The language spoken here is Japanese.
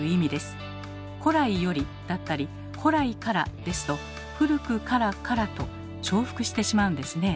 「古来より」だったり「古来から」ですと「『古くから』から」と重複してしまうんですね。